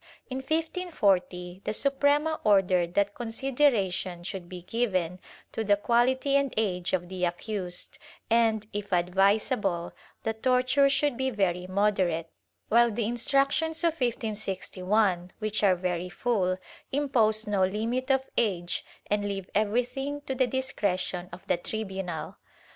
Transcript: In 1540 the Suprema ordered that consideration should be given to the quality and age of the accused and, if advisable, the torture should be very moderate, while the Instructions of 1561, which are very full, impose no limit of age and leave everything to the discretion of the tribunal.